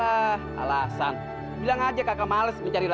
ih alasan bilang aja kakak malas mencari nasri